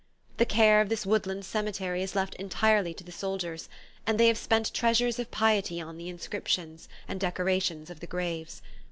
The care of this woodland cemetery is left entirely to the soldiers, and they have spent treasures of piety on the inscriptions and decorations of the graves.